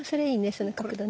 その角度ね。